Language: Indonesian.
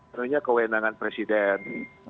pertama resorbon itu adalah kewenangan presiden